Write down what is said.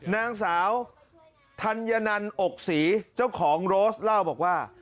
นางสาวธัญนันอกศรีเจ้าของโรสเล่าบอกว่า